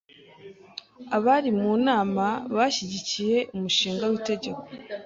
Abari mu nama bashyigikiye umushinga w'itegeko.